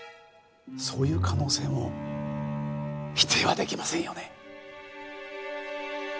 そういう可能性も否定は出来ませんよね？